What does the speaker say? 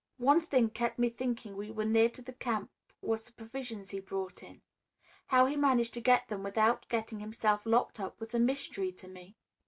One thing kept me thinking we were near to the camp was the provisions he brought in. How he managed to get them without getting himself locked up was a mystery to me.